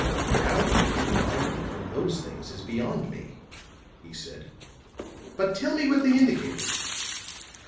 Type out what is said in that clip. "How you could get enlightenment from those things is beyond me," he said. "But tell me what they indicated."